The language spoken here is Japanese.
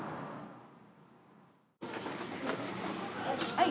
はい。